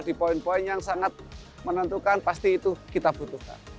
di poin poin yang sangat menentukan pasti itu kita butuhkan